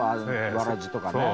わらじとかね。